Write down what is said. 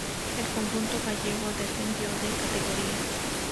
El conjunto gallego descendió de categoría.